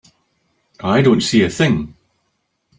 I don't see a thing.